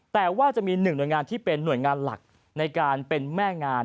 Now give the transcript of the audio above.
แต่ว่าจะมีหนึ่งหน่วยงานที่เป็นหน่วยงานหลักในการเป็นแม่งาน